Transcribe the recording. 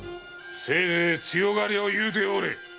せいぜい強がりを言うておれ！